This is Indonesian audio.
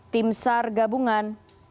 tim sar gabungan